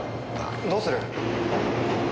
どうする？